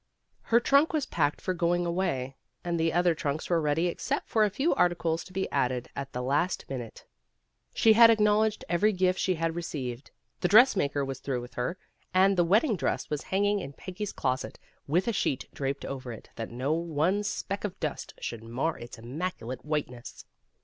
Her trunk was packed for going away, and the other trunks were ready except for a few articles to be added at the last minute. She had acknowledged every gift she had re ceived. The dressmaker was through with her, and the wedding dress was hanging in Peggy's closet, with a sheet draped over it that no speck of dust should mar its immaculate white ness.